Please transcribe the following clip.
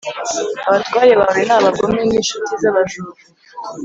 Abatware bawe ni abagome n’incuti z’abajura